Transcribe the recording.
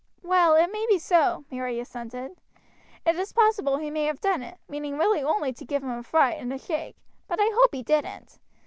"Well, it may be so," Mary assented. "It is possible he may have done it, meaning really only to give him a fright and a shake; but I hope he didn't.